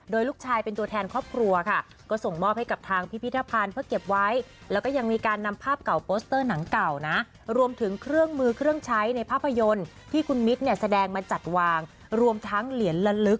โดยลูกชายเป็นตัวแทนครอบครัวค่ะก็ส่งมอบให้กับทางพิพิธภัณฑ์เพื่อเก็บไว้